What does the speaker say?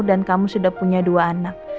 dan kamu sudah punya dua anak